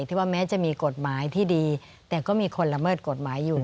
ว่าแม้จะมีกฎหมายที่ดีแต่ก็มีคนละเมิดกฎหมายอยู่